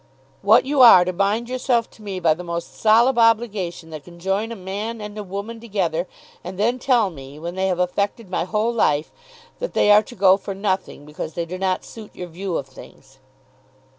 What; you are to bind yourself to me by the most solemn obligation that can join a man and a woman together, and then tell me, when they have affected my whole life, that they are to go for nothing, because they do not suit your view of things?